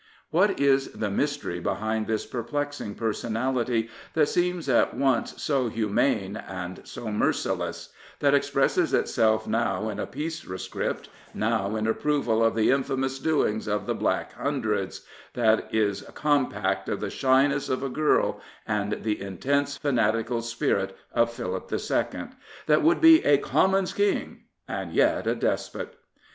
What is the mystery behind this perplexing person ality that seems at once so humane and so merciless, that expresses itself now in a Peace Rescript, now in approval of the infamous doings of the Black Hundreds, that is compact of the shyness of a girl and the intense fanatical spirit of Philip II., that would be " a Commons' King " and yet a despot